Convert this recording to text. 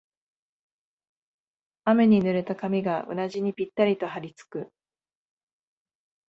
雨に濡れた髪がうなじにぴったりとはりつく